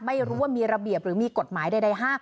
ไม่รู้ว่ามีระเบียบหรือมีกฎหมายใดห้าม